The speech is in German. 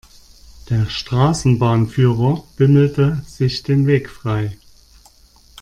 Der Straßenbahnführer bimmelte sich den Weg frei.